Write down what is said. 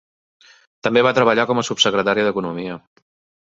També va treballar com Subsecretari d"economia.